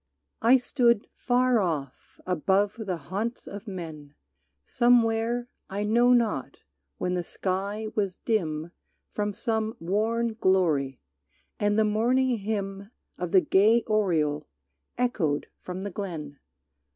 I stood far off above the haunts of men Somewhere, I know not, when the sky was dim From some worn glory, and the morning hymn Of the gay oriole echoed from the glen.